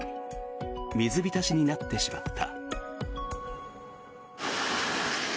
水浸しになってしまった。